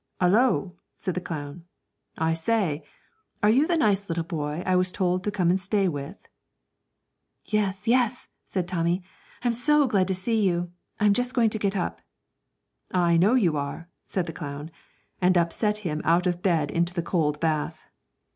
''Ullo!' said the clown; 'I say, are you the nice little boy I was told to come and stay with?' 'Yes, yes,' said Tommy; 'I am so glad to see you. I'm just going to get up.' 'I know you are,' said the clown, and upset him out of bed into the cold bath.